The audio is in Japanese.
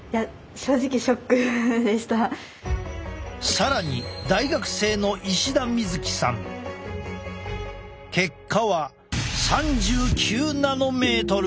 更に大学生の結果は３９ナノメートル！